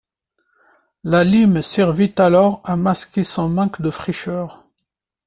La lime servait alors à masquer son manque de fraîcheur.